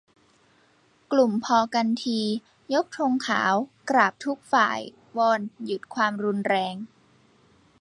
กลุ่มพอกันที ! ยกธงขาว กราบทุกฝ่าย วอนหยุดความรุนแรง